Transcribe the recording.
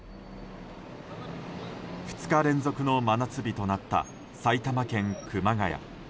２日連続の真夏日となった埼玉県・熊谷。